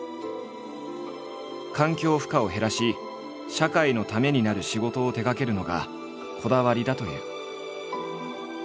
環境負荷を減らし社会のためになる仕事を手がけるのがこだわりだという。